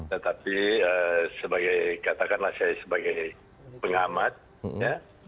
tetapi sebagai katakanlah saya sebagai pengamat ya